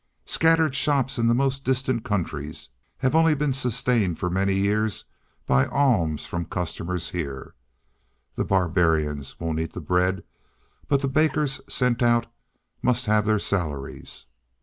Scattered shops in the most distant countries have only been sustained for many years by alms from customers here. The barbarians won't eat the bread, but the bakers sent out must have their salaries.